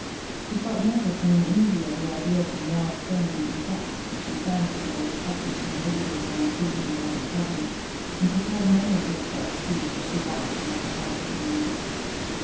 She felt nervous and uneasy at the idea of the moral sayings and texts which she fancied were expected from visitors on occasions like the present; and prepared many a good set speech as she walked towards the house of mourning.